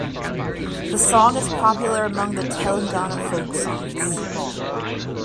The song is popular among the Telangana folk songs.